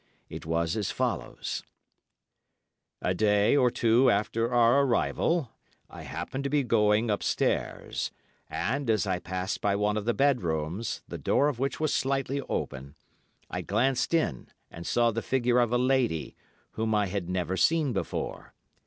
It was as follows:— "A day or two after our arrival I happened to be going upstairs, and, as I passed by one of the bedrooms, the door of which was slightly open, I glanced in, and saw the figure of a lady, whom I had never seen before.